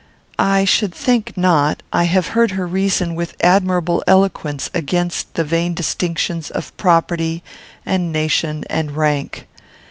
"I should think not. I have heard her reason with admirable eloquence against the vain distinctions of property and nation and rank.